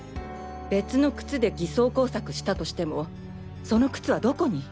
別の靴で偽装工作したとしてもその靴はどこに。